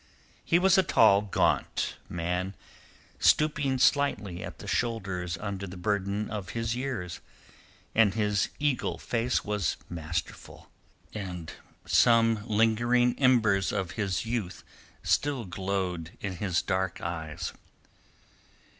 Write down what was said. He was a tall, gaunt man, stooping slightly at the shoulders under the burden of his years; but his eagle face was masterful, and some lingering embers of his youth still glowed in his dark eyes.